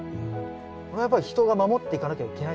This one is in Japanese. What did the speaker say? それはやっぱり人が守っていかなきゃいけないんですね。